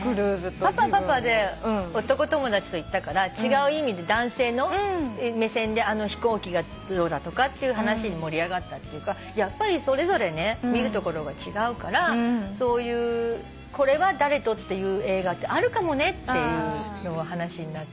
パパはパパで男友達と行ったから違う意味で男性の目線であの飛行機がどうだとかっていう話で盛り上がったっていうからやっぱりそれぞれね見るところが違うからそういうこれは誰とっていう映画ってあるかもねっていう話になって。